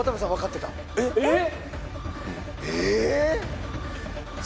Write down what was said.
えっ！？